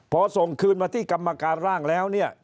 พอส่งคืนมาที่กรรมการร่างแล้วเนี่ย